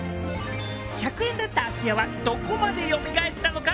１００円だった空き家はどこまで蘇ったのか？